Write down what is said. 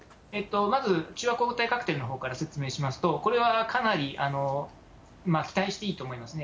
まず中和抗体カクテルのほうから説明しますと、これはかなり期待していいと思いますね。